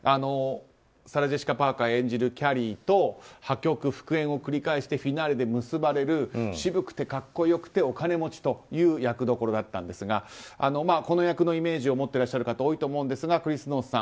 サラ・ジェシカ・パーカー演じるキャリーと破局・復縁を繰り返してフィナーレで結ばれる渋くて格好良くてお金持ちという役どころだったんですがこの役のイメージを持っていらっしゃる方多いと思うんですがクリス・ノースさん。